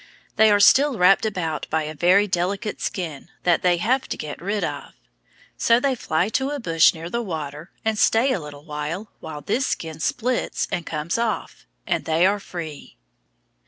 They are still wrapped about by a very delicate skin that they have to get rid of. So they fly to a bush near the water and stay a little while until this skin splits and comes off, and they are free.